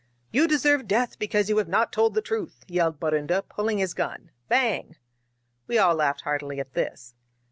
*You deserve death because you have not told the truth!' yelled Borunda, pulling his gun. Bang !" We all laughed heartily at this.